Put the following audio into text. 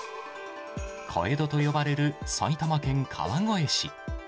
小江戸と呼ばれる埼玉県川越市。